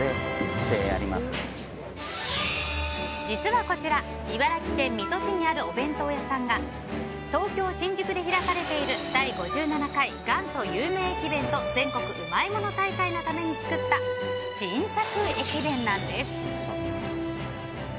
実はこちら茨城県水戸市にあるお弁当屋さんが東京・新宿で開かれている第５７回元祖有名駅弁と全国うまいもの大会のために作った新作駅弁なんです。